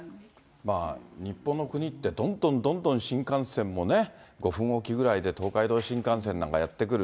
日本の国って、どんどんどんどん新幹線もね、５分置きぐらいで、東海道新幹線なんかやって来る。